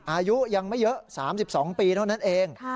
อายุยังไม่เยอะ๓๒ปีเท่านั้นเอง